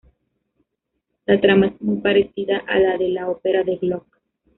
La trama es muy parecida a la de la ópera de Gluck.